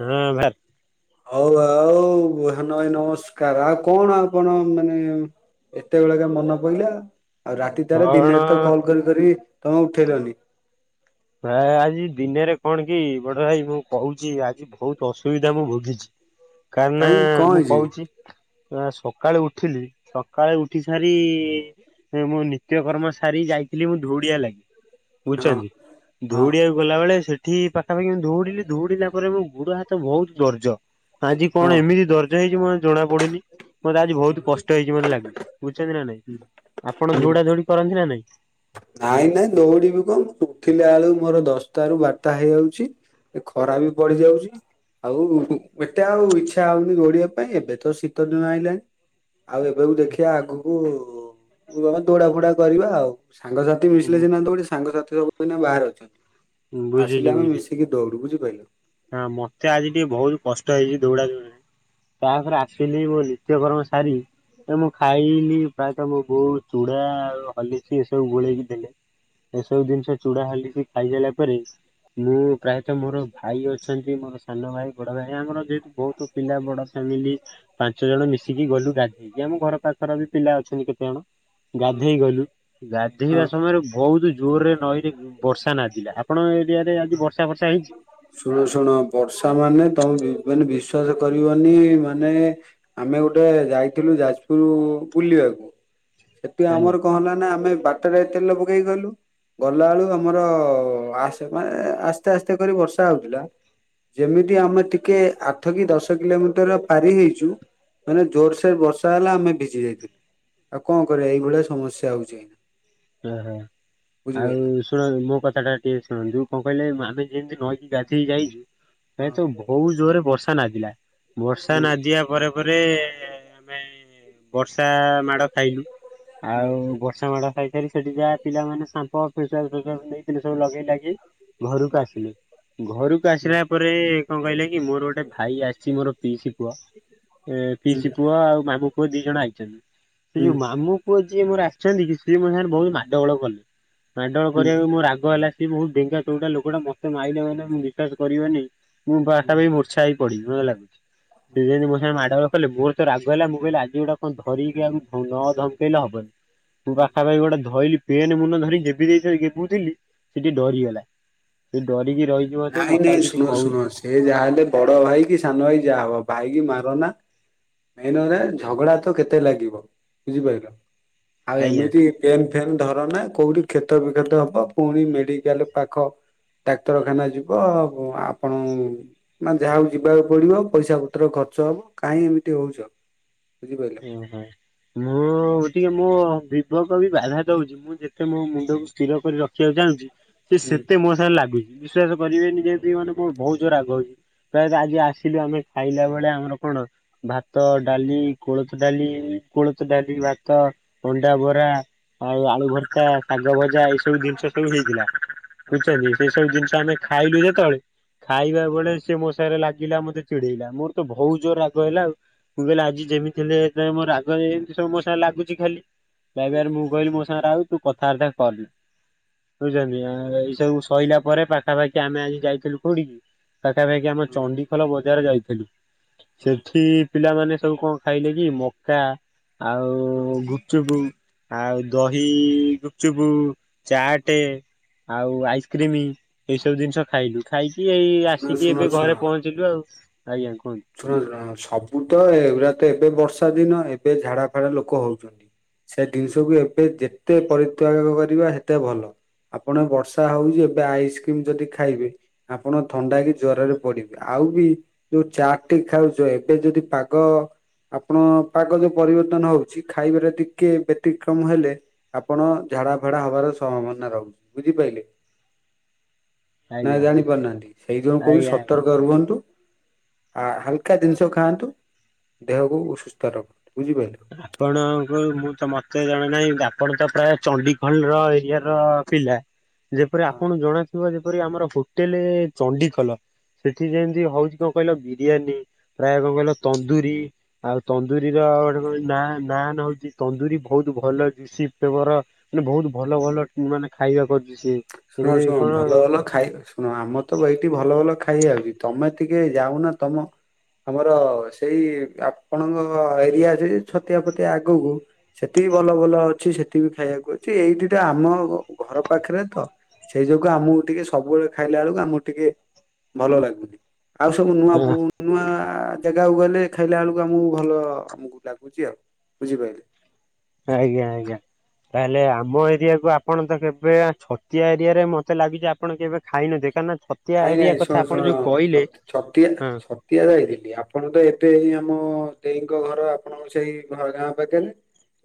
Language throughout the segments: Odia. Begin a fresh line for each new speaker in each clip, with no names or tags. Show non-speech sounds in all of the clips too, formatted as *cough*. ହଁ ଭାଇ
ହଉ ଆଉ *unintelligible* ନମସ୍କାର ଆଉ ମାନେ ଏତେ ବେଳେ କେ ମନେ ପଡିଲା। ଆଉ ରାତି ଟାରେ
କଣ
ଦିନେରେ ତ କଲ କରି କରି ତମେ ଉଠେଇଲନି।
ଆଜି ଦିନରେ କଣ କି ବଡ ଭାଇ ମୁଁ କହୁଛି ଆଜି ବହୁତ ଅସୁବିଧା ମୁଁ ଭୋଗିଛି। କାର ନା
କାହିଁ କଣ
ମୁଁ
ହେଇଛି
କହୁଛି ଆ ସକାଳୁ ଉଠିଲି ସକାଳୁ ଉଠି ସାରି ମୋ ନିତ୍ୟକର୍ମ ସାରି ଯାଇ ଥିଲି ମୁ ଧୋଉଡିବା ଲାଗି,
ହଁ
ବୁଝୁଛନ୍ତି।
ହଁ
ଧୋଉଡିବାକୁ ଗଲା ବେଳେ ସେଠି ପାଖାପାଖି ମୁଁ ଧଉଡିଲି ଧଉଡିଲି ପରେ ମୋ ଗୁଡ ହାତ ବହୁତ ଦର୍ଜ। ଆଜି
ହଁ
କଣ ଏମିତି ଦର୍ଜ ହେଇଛି ମୁଁ ଜଣା ପଡୁନି। ମତେ ଆଜି ବହୁତୁ କଷ୍ଟ ହେଇଚି ମତେ ଲାଗୁଛି ବୁଝିଛନ୍ତି ନା ନାଇଁ ଆପଣ
ହୁଁ
ଧଉଡା ଧଉଡି କରନ୍ତି ନା ନାଇଁ?
ନାଇଁ ନାଇଁ ଦୌଡିବି କଣ ଉଠିଲା ବେଳୁ ମୋର ଦଶଟା ରୁ ବାରଟା ହେଇଯାଉଚି। ଏ ଖରା ବି ପଡିିଯାଉଚି। ଆଉ ହୁଁ ଏତେ ଆଉ ଇଛା ହଉନି ଦୌଡିବା ପାଇଁ ଏବେ ତ ଶୀତଦିନ ଆଇଲାଣି। ଆଉ ଏବେ କୁ ଦେଖିଆ ଆଗକୁ *unintelligible* ଦୋଡା ଫୋଡା କରିବା ଆଉ। ସାଙ୍ଗସାଥି ମିଶିଲେ ସିନା ଦୌଡି ସାଙ୍ଗସାଥି ସବୁଏଇନା ବାହାରେ ଅଛନ୍ତି।
ବୁଝୁଛି
ଆସିଲେ ଆମେ
ବୁଝୁଛି।
ମିଶିକି ଦୌଡୁ ବୁଝିପାଇଲ।
ହଁ ମତେ ଆଜି ଟିକେ ବହୁତ କଷ୍ଟ ହେଇଚି ଦୌଡା ଦୌଡି ରେ। ତାପରେ ଆସିଲି ମୋ ନିତ୍ୟକର୍ମ ସାରି ଏ ମୁଁ ଖାଇଲି ପ୍ରାୟତଃ ମୋ ବୋଉ ଚୁଡା ଆଉ ହର୍ଲିକସ୍ ଏ ସବୁ ଗୋଳେଇକି ଦେଲେ। ଏସବୁ ଜିନିଷ ଚୁଡା ହଲିକସ୍ ଖାଇସାଇଲା ପରେ ମୁଁ ପ୍ରାୟତଃ ମୋର ଭାଇ ଅଛନ୍ତି ମୋର ସାନ ଭାଇ ବଡ ଭାଇ ଆମର ଯେହେତୁ ବହୁତ ପିଲା ବଡ ଫ୍ୟାମିଲି ପାଞ୍ଚ ଜଣ ମିଶ ମିସିକି ଗଲୁ ଗାଧେଇକି ଆମ ଘର ପାଖର ବି ପିଲା ଅଛନ୍ତି କେତେଜଣ ଗାଧେଇ ଗଲୁ। ଗାଧେଇବା ସମୟରେ ବହୁତୁ ଜୋରରେ ନଈରେ ବର୍ଷା ନାଦିଲା ଆପଣ ଙ୍କ ଏରିଆରେ ଆଜି ବର୍ଷା ଫର୍ଷା ହେଇଚି?
ଶୁଣ ଶୁଣ ବର୍ଷା ମାନେ ତମେ ବି ମାନେ ବିଶ୍ଵାସ କରିବନି ମାନେ ଆମେ ଗୋଟେ ଯାଇଥିଲୁ ଯାଜପୁର ବୁଲିବାକୁ ସେଥି
ଆଜ୍ଞା
ଆମର କଣ ହେଲା ନା ଆମେ ବାଟରେ ତେଲ ପକେଇ ଗଲୁ। ଗଲା ବେଳୁକୁ ଆମର-ଅ ଆସ ମାନେ ଆସ୍ତେ ଆସ୍ତେ କରି ବର୍ଷା ହଉଥୁଲା। ଯେମିତି ଆମେ ଟିକେ ଆଠ କି ଦଶ କିଲୋମିଟର ପାରି ହେଇଚୁ ମାନେ ଜୋରସୋର ବର୍ଷା ହେଲା ଆମେ ଭିଜି ଯାଇଥିଲୁ। ଆଉ କଣ କରିବା ଏଇଭଳିଆ ସମସ୍ୟା ହଉଛି।
*unintelligible*
ବୁଝିପାରିଲ
ଆଉ ଶୁଣ ମୋ କଥା ଟା ଟିକେ ଶୁଣନ୍ତୁ। କଣ କଇଲେ ଆମେ ଯେମିତି ନଈକି ଗାଧେଇ ଯାଇଚୁ
ହଁ।
ପ୍ରାଏ ତ ଭୋଉ ଜୋର ରେ ବର୍ଷା ନାଦିଲା। ବର୍ଷା
ହୁଁ
ନାଦିବା ପରେ ପରେ ଏ ଆମେ ବର୍ଷା-ଆ-ଆ ମାଡ଼ ଖାଇଲୁ
ହୁଁ
ଆଉ ବର୍ଷା ମାଡ ଖାଇ ଯାହା ପିଲାମାନେ ସାମ୍ପ ଫେସୱା ଫେସୱା ନେଇିଥିଲି ସବୁ ଲଗେଇ ଲାଗି ଘରକୁ ଆସିଲେ। ଘରୁକୁ
ହୁଁ।
ଆସିଲା ପରେ କଣ କଇଲେ କି ମୋର ଗୋଟେ ଭାଇ ଆସିଚି ମୋର ପିଇସି ପୁଅ ଏ
ହୁଁ
ପିଇସି ପୁଅ ଆଉ ମାମୁ ପୁଅ ଦି ଜଣ ଆଇ ଚନ୍ତି ସେଇ
ହୁଁ
ଯୋଉ ମାମୁଁ ପୁଅ ଯିଏ ମୋର ଆସିଚନ୍ତି କି ସିଏ ମୋ ସାଙ୍ଗରେ ବହୁତ ମାଡ ଗୋଳ କଲେ। ମାଡ ଗୋଳ
ହୁଁ
କରିବାକୁ ମୋର ରାଗ ହେଲା ସିଏ ବହୁତୁ ଡେଙ୍ଗା ଚୋଉଡ଼ା ଲୋକଟା ମତେ ମାଇଲେ ମାନେ ମୁଁ ବିଶ୍ଵାସ କରିବନି ମୁଁ
ହୁଁ
ପାଖାପାଖି ମୁର୍ଚ୍ଛା ହେଇ ପଡିଲି ଭଳିଆ ଲାଗୁଚି ସିଏ ଯେମିତି ମୋ ସାଙ୍ଗରେ ମାଡ ଗୋଳ କଲେ ମୋର ତ ରା କଇଲା ମୁଁ କଇଲ ଆଜି ଗୋଟା କଣ ଧରିକି କାହାକୁ ଧ ନ ଧମକେଇଲେ ହବନି ମୁଁ
ହୁଁ
ପାଖାପାଖି ଗୋଟେ ଧଇଲି ପେନ୍ ମୁନ ଧରିିକି ଗେବି ଦେଇଥାନ୍ତି ଗେବୁ ଥିଲି ସେ ଟିକେ ଡରିଗଲା ସେ
ହଁ।
ଡରିକି ରହି
ନାଇଁ ନାଇଁ ଶୁଣ ଶୁଣ ସେ ଯାହାହେଲେ ବଡ ଭାଇ କି ସାନ ଭାଇ ଯାହା ହବ ଭାଇ କି ମାର ନା ମେନରେ ଝଗଡା ତ କେତେ ଲାଗିବ ବୁଝିପାଇଲ? ଆଉ
ଆଜ୍ଞା।
ଏମିତି ପେନ୍ ଫେନ୍ ଧର ନା କୋଉଠି କ୍ଷ ତ ବିକ୍ଷତ ହବ ପୁଣି ମେଡିକାଲ ପାଖ ଡାକ୍ତରଖାନା ଯିବ ଆଉ ଆପଣ ଉଁ ମାନେ ଯାହା ହଉ ଯିବାକୁ ପଡିବ ପଇସା ପତ୍ର ଖର୍ଚ୍ଚ ସବୁ କାହିଁ ଏମିତି ହଉଚ?
ଉଁ ହୁଁ ମୁଁ ଟିକେ ମୁଁ ବିବକ ବି ବାଧା ଦେଉଚି ମୁଁ ଯେତେ ମୋ ମୁଣ୍ଡକୁ ସ୍ଥିର କରି ରଖିବାକୁ ଚାହୁଁଛି ସେ
ହୁଁ
ସେତେ ମୋ ସାଙ୍ଗରେ ଲାଗୁଚି ବିଶ୍ଵାସ କରିବେନି ଯେଦି ମାନେ ମୋ ବହୁତ ଜୋର ରାଗ ହଉଚି। ପ୍ରାୟତଃ ଆଜି ଆସିଲୁ ଆମେ ଖାଇଲା ବେଳେ ଆମର କଣ ଭାତ ଡାଲି କୋଳଥ ଡାଲି କୋଳଥ ଡାଲି ଭାତ ଅଣ୍ଡା ବରା ଆଉ ଆଳୁ ଭରତା ସା ଗ ଭଜା ଏଇ ସବୁ ଜିନିଷ ସବୁ ହେଇଥିଲା
ହଁ
ବୁଝୁଚନ୍ତି ସେଇ ସବୁ ଜିନିଷ ଆମେ ଖାଇଲୁ ଯେତେବେଳେ ଖାଇବା ବେଳେ ସିଏ ମୋ ସାଙ୍ଗରେ ଲାଗିଲା ମୋତେ ଚିଡେଇଲା ମୋର ତ ବହୁତ ଜୋର ରାଗ ହେଲା ଆଉ। ମୁଁ କଇଲି ଆଜି ଯେମିତି ହେଲେ ସେଥିପାଇଁ ମୋର ରାଗରେ ଏମିତି ସବୁ ମୋ ସଙ୍ଗରେ ଲାଗୁଚି ଖାଲି।
ହଁ
ବାରବାର ମୁଁ କହିଲି ମୋ ସାଙ୍ଗରେ ଆଉ ତୁ କଥାବାର୍ତ୍ତା କରନି। ବୁଛନ୍ତି ଅଁ ଏଇ ସବୁ ସଇଲା ପରେ ପାଖାପାଖି ଆମେ ଆଜି ଯାଇଥିଲୁ କୋଉଠିକି? ପାଖାପାଖି ଆମ
ହଁ
ଚଣ୍ଡିଖୋଲ ବଜାର ଯାଇଥିଲୁ।
ହଁ
ସେଠି ପିଲାମାନେ ସବୁ କଣ ଖାଇଲେ କି! ମକା
ହଁ।
ଆଉ-ଉ ଗୁପ୍ ଚୁପୁ। ଆଉ ଦହି ଗୁପ୍ ଚୁପୁ, ଚାଟେ ଆଉ ଆଇସ୍କ୍ରିମି, ଏଇ ସବୁ ଜିନିଷ ଖାଇଲୁ। ଖାଇକି, ଏଇ
ଶୁଣ
ଆସିକି ଏବେ ଘରେ ପହଞ୍ଚିଲୁ ଆଉ। ଆଜ୍ଞା କୁହନ୍ତୁ
ଶୁଣୁ, ସବୁ ତ ଏଗୁଡା ତ ଏବେ ବର୍ଷା ଦିନ! ଏବେ ଝାଡାଫାଡା ଲୋକ ହଉଛନ୍ତି। ସେ ଦିନଷକୁୁ ଏବେ, ଯେତେ ପରିତ୍ୟାଗ କରିବା ହେତେ ଭଲ। ଆପଣ ବର୍ଷା ହଉଛି ଏବେ ଆଇସ୍କ୍ରିମ ଯଦି ଖାଇବେ, ଆପଣ ଥଣ୍ଡା କି ଜର ରେ ପଡିବେ। ଆଉ ଆାଉ ବି ଯୋଉ ଚାଟ ଟି ଖାଉଛ, ଏବେ ଯଦି ପାଗ ଆପଣ ପାଗ ଯୋଉ ପରିବର୍ତ୍ତନ ହଉଛି! ଖାଇବାରେ ଟିକେ ବ୍ୟତିକ୍ରମ ହେଲେ, ଆପଣ ଯା ଝାଡାଫାଡା ହବାର ସମ୍ଭାବନା ରହୁଛି। ବୁଝିପାଇଲେ! ନାଇଁ
ଆଜ୍ଞା
ଜାଣି ପାରୁନାହାଁନ୍ତି। ସେଇ ଯୋଉ କହୁଛି
ଆଜ୍ଞା।
ସତର୍କ ରୁହନ୍ତୁ। ଆ ହାଲକା ଦିନିଷ ଖାଆନ୍ତୁ। ଦେହକୁ ସୁସ୍ଥ ରଖ।
ଆପଣଙ୍କୁ ମୁଁ ତ ମତେ ଜଣେ ନାହିଁ। ବା ଆପଣ ତ ପ୍ରାୟ! ଚଣ୍ଡିଖଲ ର ଏରିଆ ର ପିଲା। ଯେପରି
ହଁ
ଆପଣ ଜଣାଥିବ ଯେ ପରି ଆମର ହୋଟେଲେ ଚଣ୍ଡିଖୋଲ। ସେଠି ଯେମିତି ହଉଛି କଣ କହିଲ! ବିରିୟାନୀ, ପ୍ରାୟ କଣ କହିଲ ତନ୍ଦୁରୀ, ଆଉ ତନ୍ଦୁରୀର ଗୋଟେ ନା ନାନ୍ ହଉଛି ତନ୍ଦୁରୀ ବହୁତ ଭଲଯିସିତବର, ମାନେ ବହୁତ ଭଲ ଭଲ ମାନେ ନେ ଖାଇବା କୋଜ
ଶୁଣ ଶୁଣ, ଭଲ ଭଲ, ଖାଇ ଶୁଣ ଆମର ତ ଏଇଠି, ଭଲ ଭଲ ଖାଇଆ ଆଉଛି। ତମେ ଟିକେ ଯାଉନ ତମ ଆମର ସେଇ ଆପଣଙ୍କ ଏରିଆ ଯେ ଛତିଆ ଫତିଆ ଆଗକୁ ସେଠି ଭଲ ଭଲ ଅଛି। ସେଠି ବି ଖାଇବାକୁ ଅଛି। ଏଇଠିଟା ଆମ ଘର ପାଖରେ ତ ସେଇ ଯୋଗୁ ଆମକୁ ଟିକେ ସବୁବେଳେ ଖାଇଲା ଆଳକୁ, ଆମକୁ ଟିକେ ଭଲ ଲାଗୁନି। ଆଉ, ସବୁ ନୂଆ ପୂ ନୂଆ-ଆ। ଆ, ଜେଗାକୁ ଗଲେ ଖାଇଲାଆଳକୁ ଆମକୁ ଭଲ ଆମକୁ ଲାଗୁଛି ଆଉ ବୁଝିପାଇଲେ।
ଆଜ୍ଞା ଆଜ୍ଞା, ତାହେଲେ, ଆମ ଏରିଆକୁ ଆପଣ ତ କେବେ! ଛତିଆ ଏରିଆରେ ମତେ ଲାଗିଛି, ଆପଣ କେବେ ଖାଇନଥିଏ? କାଇଁକିନା!
ନାଇଁ ନାଇଁ, ଶୁଣ ଶୁଣ ଛତିଆ
ହଁ
ଛତିଆ ଯାଇଥିଲି। ଆପଣ ତ ଏତେ ଏଇ ଆମ-ଅ-ଅ ଦେଇଙ୍କ ଘର ଆପଣଙ୍କ ସେଇ ଘ ଗାଁ ପାଖରେ,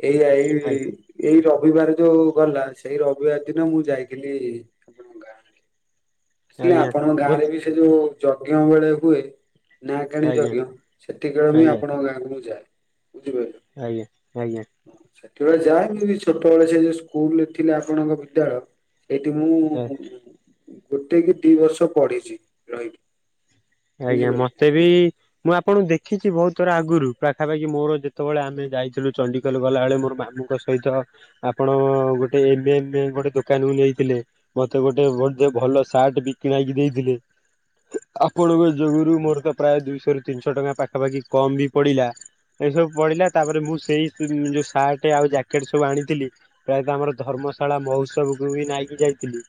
ଏଇ ଏଇ
ଆଜ୍ଞା
ଏଇ ରବ ବିବାର ଯୋଉ ଗଲା, ସେଇ ରବିବାର ଦିନ ମୁଁ ଯାଇଥିଲି ଆପଣଙ୍କ ଗାଁ। ଆସିଲା,
ଆଜ୍ଞା।
ଆପଣଙ୍କ! ଗାଁ ରେ ବି ସେ ଯୋଉ ଯଜ୍ଞ ବେଳେ ହୁଏ। ନା କିଣି
ଆଜ୍ଞା
ଯଜ୍ଞ, ସେତିକିଳେ ବିଁ ଆପଣଙ୍କ ଗାଁକୁ ମୁଁ ଯାଏ। ବୁଝିପାରିଲେ
ଆୟାଁ ଆୟାଁ।
ସେତେବେଳେ ଯାଏ, କିନ୍ ଛୋଟବେଳେ ସେ ଯୋଉ ସ୍କୁଲରେ ଥିଲା, ଆପଣଙ୍କ ବିଦ୍ୟାଳୟ। ସେଇଠି ମୁଁ ଗୋଟେ କି ଦି ବର୍ଷ ପଢିଛି। ରହିକି।
ଆଜ୍ଞା,
ବୁଝିପାରିଲେ
ମତେ ବି ମୁଁ ଆପଣଙ୍କୁ ଦେଖ ଦେଖିଛି। ବହୁତ ଥର ଆଗରୁ ପାଖାପାଖି ମୋର ଯେତେବେଳେ ଆମେ ଯାଇଥିଲୁ, ଚଣ୍ଡୀଖୋଲ ଗଲାବେଳେ ମୋର ମାମୁଁ ଙ୍କ ସହିତ। ଆପଣ-ଅ, ଗୋଟେ ଏବେ ଏବେ ଗୋଟେ ଦୋକାନକୁ ନେଇଥିଲେ। ମତେ ଗୋଟେ ବି ଭଲ ସାଟ୍ ଆଉ ଟେ ବିକି ଭାଇ କି ଦେଇଥିଲେ। ଆପଣଙ୍କ ଯୋଗୁରୁ ମୋର ତ ପ୍ରାୟ ଦୁଇଶହ ରୁ ତିନିଶହ ଟଙ୍କା ପାଖାପାଖି କମ୍ ବି ପଡ଼ିଲା। ଏଇ ସବୁ ପଡ଼ିଲା। ତା'ପରେ ମୁଁ ସେଇ ଯୋଉ ସାର୍ଟ ଆଉ ଜ୍ୟାକେଟ ସବୁ ଆଣିଥିଲି, ପ୍ରାୟତଃ ଆମର ଧର୍ମ ମଶାଳା ମହୋତ୍ସବକୁ ବି ନାଇକି ଯାଇଥିଲି।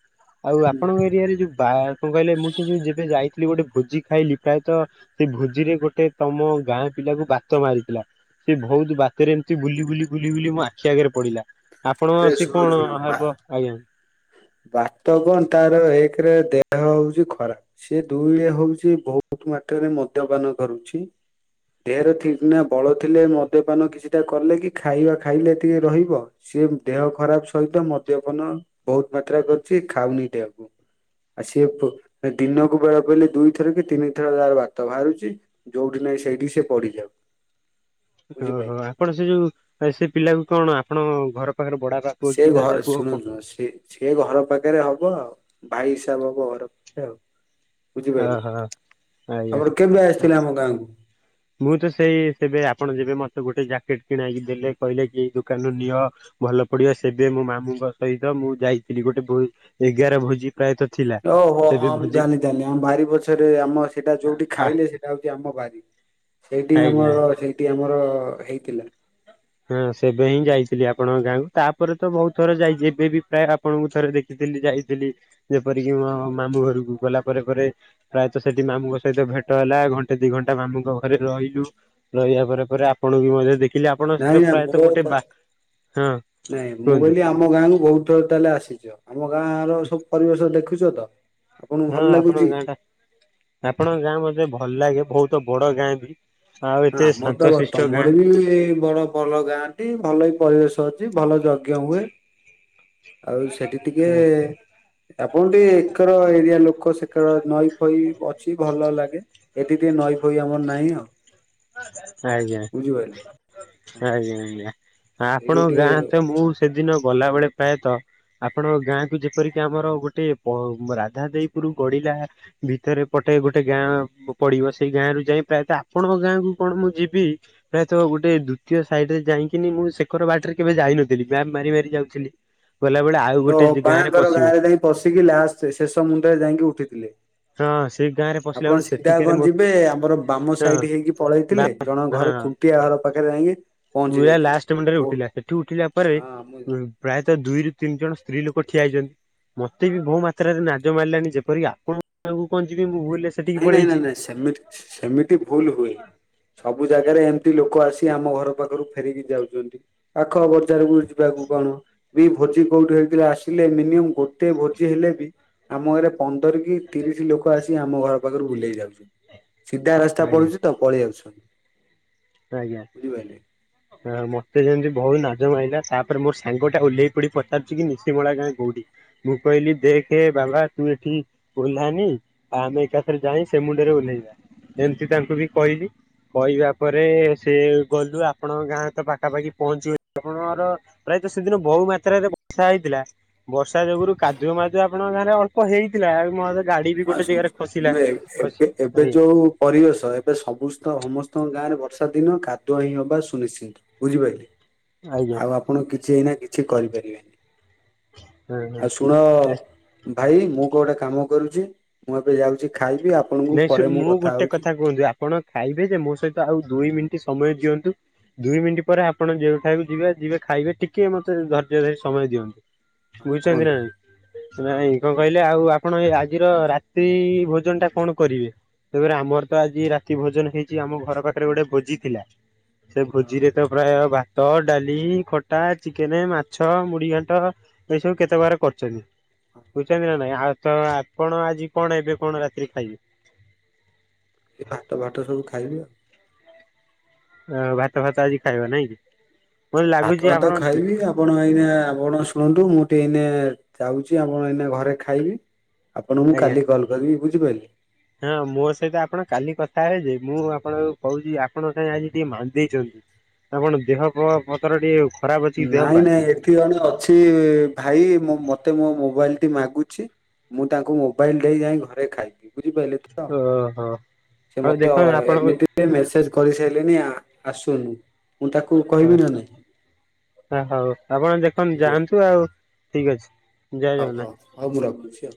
ଆଉ
ହୁଁ
ଆପଣଙ୍କ ଏରିଆରେ ଯୋଉ ବା! କଣ କହିଲେ? ମୁଁ ସେ ଯୋଉ ଯେବେ ଯାଇଥିଲି, ଗୋଟେ ଭୋଜି ଖାଇଲି ପ୍ରାୟତଃ, ସେ ଭୋଜିରେ ଗୋଟେ ତମ ଗାଁ ପିଲାକୁ ବାତ ମାରିଥିଲା। ସେ ବହୁତ ବାତରେ ଏମିତି, ବୁଲି ବୁଲି ବୁଲି ବୁଲି ମୋ ଆଖି ଆଗରେ ପଡିଲା।
ଆରେ
ଆପଣଙ୍କ ସିଏ
ଶୁଣ
କଣ
ଶୁଣ ବା
ହବ? ଆଜ୍ଞା
ବାତ ତ ତାର ଏକରେ ଦେହ ହଉଛି ଖରାପ। ସେ ଦୁଇଏ ହଉଛି ବହୁତ ତୁ ମାତ୍ରାରେ ମଦ୍ୟପାନ କରୁଛି। ଦେହରେ ଠିକ ନା ବଳ ଥିଲେ ମଦ୍ୟପାନ କିଛିଟା କଲେ କି ଖାଇବା ଖାଇଲେ ଟିକେ ରହିବ। ସିଏ ଦେହ ଖରାପ ସହିତ ମଦ୍ୟପାନ ବହୁତ ମାତ୍ରା କରୁଛି, ଖାଉନି ଦେହକୁ। ଆଉ ସିଏ ପ ଦିନକୁ ବେଳ ପଇଲେ ଦୁଇଥର କି ତିନିଥର ତାର ବାତ ବାହାରୁଛି। ଯୋଉଠି ନାହିଁ ସେଇଟି ସିଏ ପଡିି ଯାଉ
ଓ ହୋ ଆପଣ ସେ ଯୋଉ ସେ ପିଲାକୁ, କଣ ଆପଣ ଘର ପାଖରେ ବଡାପା ପୁଅ
ସେ
କି ଦାଦା
ଘ
ପୁଅ କ
ଶୁଣନ୍ତୁ ସେ ସେ ଘର ପାଖରେ ହବ ଆଉ। ଭାଇ ହିସାବ ହବ ଘର ପାଖେରେ ଆଉ। ବୁଝିପାଇଲୁ,
ଓହୋ ଆଜ୍ଞା।
ଆପଣ କେବେ ଆସିଥିଲେ ଆମ ଗାଁକୁ?
ମୁଁ ତ ସେଇ ସେବେ ଆପଣ, ଯେବେ ମତେ ଗୋଟେ ଜ୍ୟାକେଟ କିଣାଇକି ଦେଲେ କହିଲେ କି ଏଇ ଦୋକାନରୁୁ ନିଅ। ଭଲ ପଡିବ ସେବେ ମୋ ମାମୁଙ୍କ ସହିତ ମୁଁ ଯାଇଥିଲି। ଗୋଟେ ଭୋ ଏଗାର ଭୋଜି ପ୍ରାୟତଃ ଥିଲା
ଓ ହୋ
ସେବେ
ହଁ ମୁଁ
ଭୋଜି
ଜାଣିଲି ଜାଣିଲି, ଆମ ବାରି ପଛରେ ଆମ ସେଇଟା ଯୋଉଠି
ଆ
ଖାଇଲେ ସେଟା ହଉଛି ଆମ ବାରି। ସେଇଠି
ଆଜ୍ଞା।
ଆମର ସେଇଠି ଆମର ହେଇଥିଲା।
ହଁ ସେବେ ହିଁ ଯାଇଥିଲି ଆପଣଙ୍କ ଗାଁକୁ। ତାପରେ ତ ବହୁତ ଥର ଯାଇଛି ।ଏବେ ବି ପ୍ରାୟ ଆପଣଙ୍କୁ ଥରେ ଦେଖିଥିଲି ଯାଇଥିଲି ଯେପରିକି ମାମ ମଁ ଘରକୁ ଗଲା ପରେ ପରେ ପ୍ରାୟତଃ ସେଠି ମାମୁଙ୍କ ସହିତ ଭେଟ ହେଲା ।ଘଣ୍ଟେ ଦି ଘଣ୍ଟା ମାମୁଙ୍କ ଘରେ ରହି ରହିବା ପରେ ପରେ ଆପଣ ବି ମଧ୍ୟ ଦେଖିଲେ। ଆପଣଙ୍କ
ନାଇଁ
ସହିତ
ନା
ପ୍ରାୟତଃ
ମୋ କ
ଗୋଟେ ବା ହଁ
ନାଇଁ ମୁଁ
କୁହନ୍ତୁ
କହିଲି, ଆମ ଗାଁ କୁ ବହୁତ ଥର ତାହେଲେ ଆସିଛ। ଆମ ଗାଁ ର ସବୁ ପରିବେଶ ଦେଖୁଛ ତ। ଆପଣଙ୍କୁ
ହଁ
ଭଲ ଲାଗୁଛି?
ଆପଣଙ୍କ ଗାଁ ଟା ଆପଣଙ୍କ ଗାଁ ମତେ ଭଲ ଲାଗେ, ବହୁତ ବଡ ଗାଁ ବି। ଆଉ
ହଁ
ଏତେ
ଆମର ତ *unintelligible*
ଶାନ୍ତଶିଷ୍ଟ ଗାଁ
ତମର ବି ବଡ ଭଲ ଗାଁଟି ଭଲ ବି ପରିବେଶ। ଅଛି ଭଲ ଯଜ୍ଞ ହୁଏ। ଆଉ ସେଠି ଟିକେ ଆପଣ ଟିକେ ଏକର ଏରିଆ ଲୋକ, ସେକର ନଈ ଫଇ ଅଛି ଭଲ ଲାଗେ। ଏଠି ଟିକେ ନଈ ଫଇ ଆମର ନାହି ଆଉ।
ଆଜ୍ଞ
ବୁଝିପାରିଲ ହଁ
ଆଜ୍ଞା ଆଜ୍ଞା।
ସେଇ ଯୋଉ
ଆପଣଙ୍କ
ଟିକେ
ଗାଁ ତ, ମୁଁ ସେଦିନ ଗଲାବେେଳେ ପ୍ରାୟତଃ ଆପଣ ଗାଁକୁ ଯେପରିକି ଆମର, ଗୋଟେ ପ ରାଧାଦେପୁର ଗଡିଲା ଭିତରେ ପ ଗୋଟେ ଗୋଟେ ଗାଁ ପଡିବ ।ସେଇ ଗାଁରୁ ଯାଇ ପ୍ରାୟତଃ ଆପଣଙ୍କ ଗାଁକୁ କଣ ମୁଁ ଯିବି ପ୍ରାୟତଃ ଗୋଟେ ଦ୍ୱିତୀୟ ସାଇଟରେ ଯାଇକିନି, ମୁଁ ଶେଖର ବାଟରେ କେବେ ଯାଇନଥିଲି, ଜାମ୍ ମାରି ମାରି ଯାଉଥିଲି। ଗଲାବେଳେ ଆଉ
ଓ
ଗୋଟେ
ହୋ
ଗାଁ ରେ
ବାଙ୍କର
ପଶିବ
ଗାଁରେ ଯାଇ ପଶିକି, ଲାଷ୍ଟ ଶେଷ ମୁଣ୍ଡରେ ଯାଇକି ଉଠିଥିଲେ।
ହଁ ସେଇ ଗାଁ ରେ ପଶିଲା
ଆପଣ
ବେଳୁ
ସିଧା କ
ସେଠିକାରେ ମୋ
ଯିବେ ଆମର ବାମ
ହଁ
ସାଇଡ ହେଇକି ପଳେଇ
ବା
ଥିଲେ ଜଣ ଘରେ
ହଁ।
ଖୁଣ୍ଟିଆ ଘର ପାଖରେ ଯାଇକି ପହଞ୍ଚି
ପୁରା
ଯାଇଥିଲେ।
ଲାଷ୍ଟ ମୁଣ୍ଡରେ ଉଠିଲା ସେଠି ଉଠିଲା ପରେ
ମୁଁ
ପ୍ରାୟତଃ ଦୁଇରୁ ତିନି ଜଣ ସ୍ତ୍ରୀ ଲୋକ ଠିଆ ହେଇଛନ୍ତି ମତେ ବି ବହୁ ମାତ୍ରାରେ ନାଜ ମାରିଲାଣି, ଯେପରିକି ଆପଣଙ୍କକୁ ପାଖକୁ କଣ ଯିବି ମୁଁ ଭୁଲରେ ସେଠିକି
ନାଇଁ ନାଇଁ ନାଇଁ
ପଳେଇଛି।
ନାଇଁ ସେମିତି ସେମିତି ଭୁଲ ହୁଏ। ସବୁ ଜାଗାରେ କେମିତି ଲୋକ ଆସି ଆମ ଘର ପାଖରୁ ଫେରିକି ଯାଉଛନ୍ତି। ପାଖ ବଜାରକୁ ଯିବାକୁ କଣ ବି ଭୋଜି କୋଉଠି ହେଇଥିଲା ଆସିଲେ। ମିନିମମ୍ ଗୋଟେ ଭୋଜି ହେଲେ ବି ଆମ ଘରେ ପନ୍ଦର କି ତିରିଶ ଲୋକ ଆସିବେ ପାଖରୁ ବୁଲେଇ ଯାଉଛନ୍ତି, ସିଧା ରାସ୍ତା
ଆଜ୍ଞା
ପଡୁଛି ତ ପଳେଇ ଆସୁଛନ୍ତି।
ଆଜ୍ଞା।
ବୁଝିପାରିଲେ।
*unintelligible* ମତେ ଯେମତି ବହୁତ ନାଜ ମାଇଲା, ତାପରେ ମୋର ସାଙ୍ଗ ଟା ଓହ୍ଲେଇ ପଡି ପଚାରୁଛି କି ନିଶିମଳା ଗାଁ କୋଉଠି? ମୁଁ କହିଲି ଦେଖ ବାବା ତୁ ଏଠି ଓହ୍ଲାନି, ଆଉ ଆମେ ଏକାଥରେ ଯାଇ ସେ ମୁଣ୍ଡରେ ଓହ୍ଲେଇବା। ଏମତି ତାଙ୍କୁ ବି କହିଲି, କହିବା ପରେ ସେ ଗଲୁ ଆପଣଙ୍କ ଗାଁ ତ ପାଖାପାଖି ପହଞ୍ଚିଗଲୁ, ଆପଣର ପ୍ରାୟତଃ ସେଦିନ ବହୁତ ଯୋଉ ମାତ୍ରରେ ବର୍ଷା ହେଇଥିଲା, ବର୍ଷା ଯୋଗୁରୁ କାଦୁଅ ମାଦୁଅ ଆପଣଙ୍କ ଗାଁରେ ଅଳ୍ପ ହେଇଥିଲା ।ମ
ଆସନ୍ତୁ ଏବେ ଏବେ
ଆଜ୍ଞା
ଯୋଉ ପରିବେଶ, ଏବେ ସମସ୍ତ ସମସ୍ତଙ୍କ ଗାଁରେ ବ ବର୍ଷା ଦିନ କାଦୁଆ ହିଁ ହବା ସୁନିଶ୍ଚିନ୍ତ ବୁଝିପାରିଲେ।
ଆଜ୍ଞା
ଆଉ ଆପଣ କି କିଛି ଏଇନା କିଛି କରିପାରିବେନି।
ହଁ
ଆଉ ଶୁଣ
ହଁ।
ଭାଇ ମୁଁ କୋଉଟେ କାମ କରୁଛି, ମୁଁ ଏବେ ଯାଉଛି ଖାଇବି ଆପଣଙ୍କୁ
ନାଇଁ ସେ
ପରେ ମୁଁ
ମୁ ଗୋଟେ
ହଉଛି।
କଥା କୁହନ୍ତୁ, ଆପଣ ଖାଇବେ ଯେ ମୋ ସହିତ ଆଉ ଦୁଇ ମିନିଟ କି ସମୟ ଦିଅନ୍ତୁ। ଦୁଇ ମିଣ୍ଟି ପରେ ଆପଣ ଯେଉଁଠାକୁ ଯିବେ ଯିବେ ଖାଇବେ ଟିକେ ମତେ ଧୈର୍ଯ୍ୟ ଧରି ସମୟ
ହଁ
ଦିଅନ୍ତୁ। ବୁଚନ୍ତି
କୁହନ୍ତୁ
ନାଁ ନାଇଁ
ହଁ
ନାଇଁ କଁ କହିଲେ ଆଉ ଆ ପଣ ଏ ଆଜିର ରାତିି ଭୋଜନଟା କଣ କରିବେ ତେବେରେ ଆମର ତ ଆଜି ରାତି ଭୋଜନ ହେଇଚି ଆମ ଘର ପାଖରେ ଗୋଟେ ବୋଜି ଥିଲା। ସେ
ହଁ
ଭୋଜିରେ ତ ପ୍ରାୟ ବା ତ ଡାଲି ଖଟା ଚିକେନ୍ ମାଛ ମୁଢ଼ି ଘାଣ୍ଟ ଏଇ ସବୁ କେତେ ପ୍ରକାର କରିଚନ୍ତି। ବୁଚନ୍ତି ନାଁ ନାଇଁ ଆଉ ତ ଆପଣ ଆଜି କଣ ଏବେ କଣ ରାତିରେ ଖାଇବେ?
ଏ ଭାତ ବାଟ ସବୁ ଖାଇବି ଅ।
ଆଉ ଭାତ ଫାତ ଆଜି ଖାଇବ ନାଇଁ କି? ମତେ
ଭାତ
ଲାଗୁଛି
ଭାତ
ଆପଣ
ଖାଇବି ଆପଣ ଏଇନା ଆପଣ ଶୁଣନ୍ତୁ ମୁଁ ଟିଏ ଏଇନେ ଯାଉଚି ଆପଣ ଏଇନା ଘରେ ଖାଇବି ଆପଣଙ୍କୁ
ଆଜ୍ଞା
କାଲି କଲ୍ କରିବି ବୁଝିପାଇଲେ?
ହଁ ମୋ ସହିତ ଆପଣ କାଲି କଥା ହେବେ ଯେ ମୁଁ ଆପଣଙ୍କୁ କହୁଚି ଆପଣ କାଇଁ ଆଜି ଟିକେ ମାନ୍ଦେଇଚନ୍ତି। ଆପଣ ଦେହ ପହ ପତର ଟିଏ
ନାଇଁ ନାଇଁ ଏଠି ଅଣେ ଅଛି ଭାଇ ମୋ ମତେ ମୋ ମୋବାଇଲ୍ ଟି ମାଗୁଛି ମୁଁ ତାଙ୍କୁ ମୋବାଇଲ୍ ଦେଇଁ ଯାଇଁ ଘରେ ଖାଇବି। ବୁଝିପାଇଲେ ତ
ଓହୋ
ସେ
ହଉ
ମତେ
ଦେଖନ୍ତୁ
ଅ
ଆପଣଙ୍କୁ
ଏମିତି ଏ ମେସେଜ୍ କରିସାଇଲଣିି ଆ ଆସୁନୁ ମୁଁ ତାକୁ କହିବି ନାଁ ନାଇଁ?
ଆ ହଉ ଆପଣ ଦେଖନ୍ତୁ
ବୁଝିଲ
ଯାଆନ୍ତୁ ଆଉ ଠିକ୍ ଅଛି। ଜୟ
ହଉ
ଜଗନ୍ନା
ହଉ ହଉ ମୁଁ ରଖୁଛି ଆଉ।